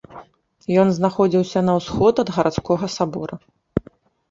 Ён знаходзіўся на ўсход ад гарадскога сабора.